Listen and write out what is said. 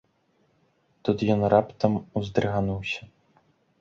Тут ён раптам уздрыгануўся.